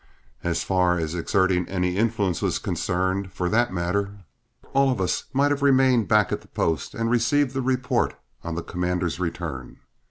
As far as exerting any influence was concerned, for that matter, all of us might have remained back at the post and received the report on the commander's return.